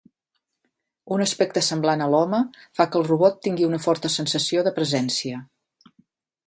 Un aspecte semblant a l'home fa que el robot tingui una forta sensació de presència.